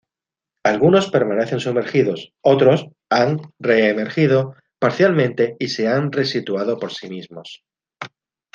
Algunos permanecen sumergidos, otros, han re-emergido, parcialmente y se han re-situado por sí mismos.